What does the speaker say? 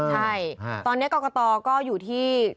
ใช่ตอนนี้กรกตก็อยู่ที่